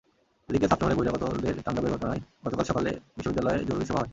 এদিকে ছাত্র হলে বহিরাগতদের তাণ্ডবের ঘটনায় গতকাল সকালে বিশ্ববিদ্যালয়ে জরুরি সভা হয়।